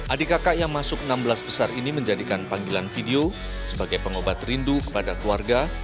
adik kakak yang masuk enam belas besar ini menjadikan panggilan video sebagai pengobat rindu kepada keluarga